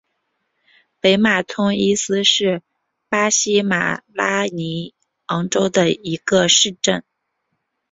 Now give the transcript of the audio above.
北马通伊斯是巴西马拉尼昂州的一个市镇。